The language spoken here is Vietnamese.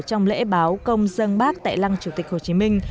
trong lễ báo công dân bác tại lăng chủ tịch hồ chí minh